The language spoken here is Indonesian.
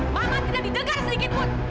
mama tidak didengar sedikitpun